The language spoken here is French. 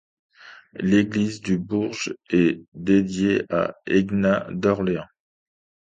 L'église du bourg est dédiée à Aignan d'Orléans.